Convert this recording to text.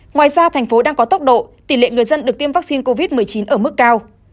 ngoài ra thành phố đang có tốc độ tỷ lệ người dân được tiêm vaccine covid một mươi chín ở mức cao